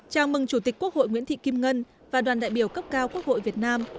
chào mừng chủ tịch quốc hội nguyễn thị kim ngân và đoàn đại biểu cấp cao quốc hội việt nam